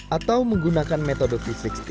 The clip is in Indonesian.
atau menggunakan metode v enam puluh